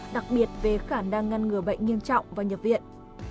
đặc biệt về khả năng ngăn ngừa bệnh nghiêm trọng và nhập viện